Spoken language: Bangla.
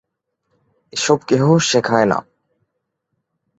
এসব কেহ শেখায় না।